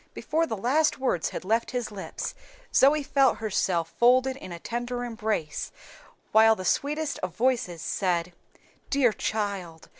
Before the last words had left his lips Zoe felt herself folded in a tender embrace, while the sweetest of voices said, "Dear child!